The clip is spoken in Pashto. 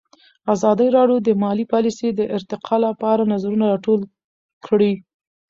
ازادي راډیو د مالي پالیسي د ارتقا لپاره نظرونه راټول کړي.